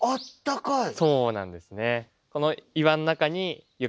そうなんですね。